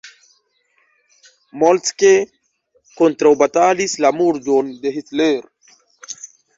Moltke kontraŭbatalis la murdon de Hitler.